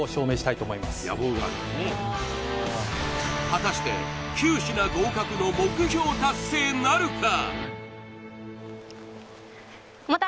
果たして９品合格の目標達成なるか？